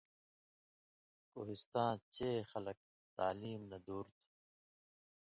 کوستاں چے خلک تعلیم نہ دُور تھو